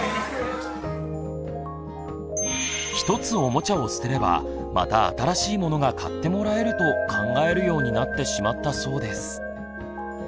１つおもちゃを捨てればまた新しいものが買ってもらえると考えるようになってしまったそうです。